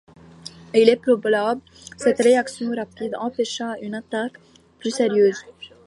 Il est probable cette réaction rapide empêcha une attaque plus sérieuse.